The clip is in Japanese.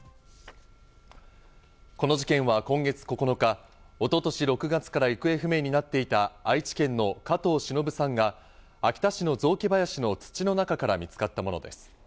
この事件は今月９日、一昨年６月から行方不明になっていた愛知県の加藤しのぶさんが秋田市の雑木林の土の中から見つかったものです。